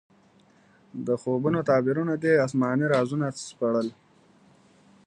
د خوبونو تعبیرونه دې اسماني رازونه سپړل.